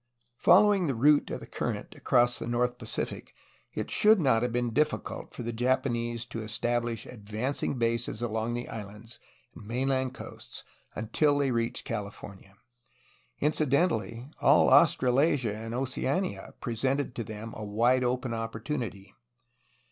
Following the route of the current across the north Pacific, it should not have been difficult for the Japan ese to establish advancing bases along the islands and main land coasts until they reached California. Incidentally, all Australasia and Oceania presented to them a wide open opportunity.